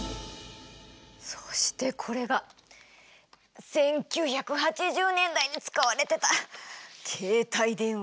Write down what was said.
そしてこれが１９８０年代に使われてた携帯電話。